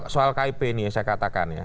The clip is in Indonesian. soal kip ini saya katakan ya